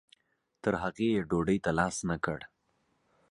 تر هغې یې ډوډۍ ته لاس نه کړ.